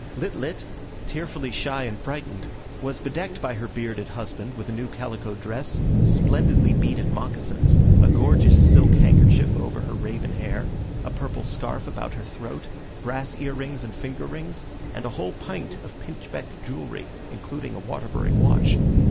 Lit lit, tearfully shy and frightened, was bedecked by her bearded husband with a new calico dress, splendidly beaded moccasins, a gorgeous silk handkerchief over her raven hair, a purple scarf about her throat, brass ear rings and finger rings, and a whole pint of pinchbeck jewellery, including a Waterbury watch.